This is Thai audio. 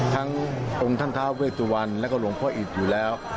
ทั้งองค์ท่านท้าเวสุวรรณแล้วก็หลวงพ่ออิตอยู่แล้ว